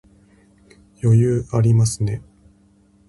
余裕ありますね